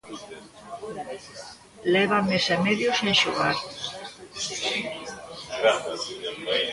Leva mes e medio sen xogar.